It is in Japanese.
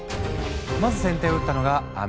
まず先手を打ったのがアメリカ。